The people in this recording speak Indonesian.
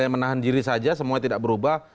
menahan diri saja semua tidak berubah